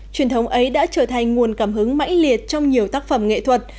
truyền thống ấy đã trở thành nguồn cảm hứng mãnh liệt trong nhiều tác phẩm nghệ thuật